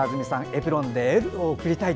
エプロンでエールを送りたい。